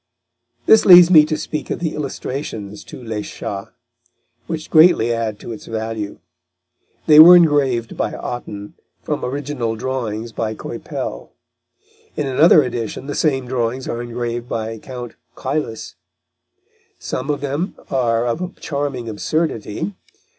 This leads me to speak of the illustrations to Les Chats, which greatly add to its value. They were engraved by Otten from original drawings by Coypel. In another edition the same drawings are engraved by Count Caylus. Some of them are of a charming absurdity.